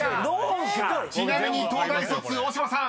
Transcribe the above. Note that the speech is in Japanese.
［ちなみに東大卒大島さん］